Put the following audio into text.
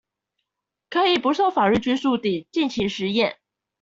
可以不受法律拘束地盡情實驗